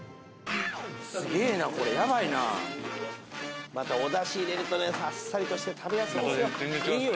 すげえなこれヤバいなまたお出汁入れるとねあっさりとして食べやすいんですよまた全然違います